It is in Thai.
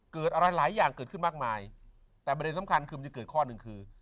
เกิดอะไรหลายอย่างเกิดขึ้นมากมายแต่ประเด็นสำคัญคือมันจะเกิดข้อหนึ่งคือ